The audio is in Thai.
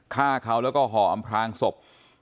ฆ่าเขาแล้วก็ห่ออำพลางศพ